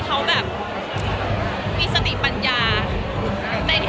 อันไหนอ่ะไหน